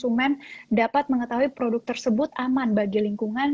nah ini bagaimana konsumen dapat mengetahui produk tersebut aman bagi lingkungan